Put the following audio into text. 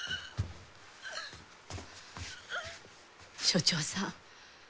署長さん。